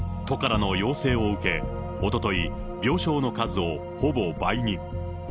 都からの要請を受け、おととい、病床の数をほぼ倍に。